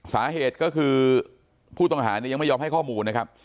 สาเหตุก็คือผู้ต้องหาเนี่ยยังไม่ยอมให้ข้อมูลนะครับ